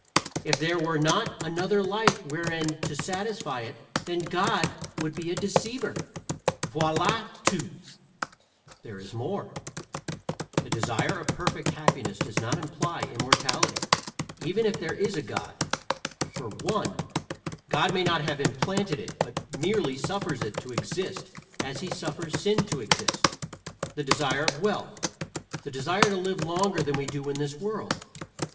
If there were not another life wherein to satisfy it then God would be a deceiver. Voila tout." There is more: the desire of perfect happiness does not imply immortality, even if there is a God, for (1) God may not have implanted it, but merely suffers it to exist, as he suffers sin to exist, the desire of wealth, the desire to live longer than we do in this world.